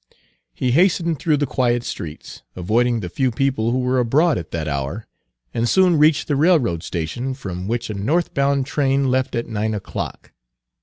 He hastened through the quiet streets, Page 226 avoiding the few people who were abroad at that hour, and soon reached the railroad station, from which a North bound train left at nine o'clock.